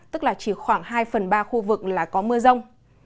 tức là chỉ khoảng hai phần ba khu vực là có mưa rông